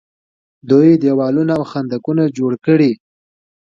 دوی دیوالونه او خندقونه جوړ کړي.